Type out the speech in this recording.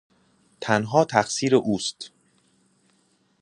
تنها تقصیر اوست.